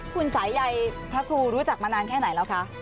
คุณสายใยพระครูรู้จักมานานแค่ไหนแล้วคะ